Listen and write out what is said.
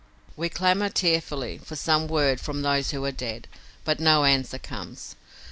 We clamor tearfully for some word from those who are dead, but no answer comes.